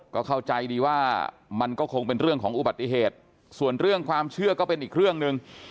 ก็เข้าใจดีว่ามันก็คงเป็นเรื่องของอุบัติเหตุส่วนเรื่องความเชื่อก็เป็นอีกเรื่องหนึ่ง